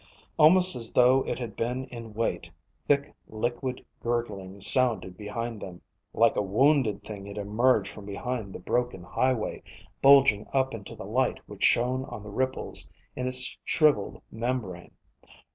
Almost as though it had been in wait, thick liquid gurgling sounded behind them. Like a wounded thing it emerged from behind the broken highway, bulging up into the light which shone on the ripples in its shriveled membrane.